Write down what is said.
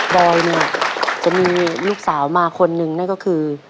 อยเนี่ยจะมีลูกสาวมาคนนึงนั่นก็คือ